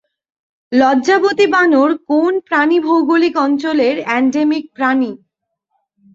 লজ্জাবতী বানর কোন প্রাণিভৌগোলিক অঞ্চলের এন্ডেমিক প্রাণী?